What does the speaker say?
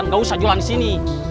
nggak usah jualan di sini